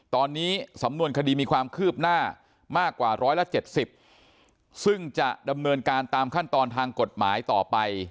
ตอนนี้สำนวนคดีมีความคืบหน้ามากกว่าร้อยละ๗๐ซึ่งจะดำเนินการตามขั้นตอนทางกฎหมายต่อไป